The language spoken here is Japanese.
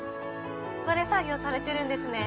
ここで作業をされてるんですね。